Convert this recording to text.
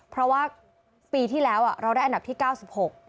เพราะว่าปีที่แล้วเราได้อันดับที่๙๖